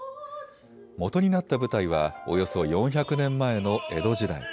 元になった舞台はおよそ４００年前の江戸時代。